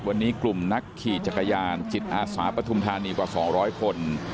วันนี้กลุ่มนักขี่จักรยานจิตอาสาปฐุมธานีกว่า๒๐๐คน